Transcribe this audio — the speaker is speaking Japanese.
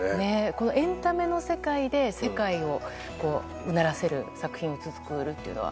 このエンタメの世界で、世界をうならせる作品を作るというのは？